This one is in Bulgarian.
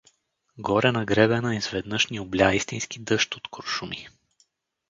Горе на гребена изведнъж ни обля истински дъжд от куршуми.